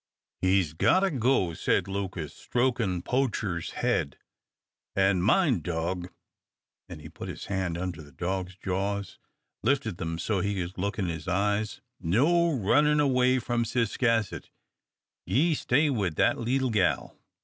"He's got to go," said Lucas, stroking Poacher's head, "an' mind me, dog," and he put his hand under the dog's jaws and lifted them so that he could look in his eyes, "no runnin' away from Ciscasset. Ye stay with that leetle gal.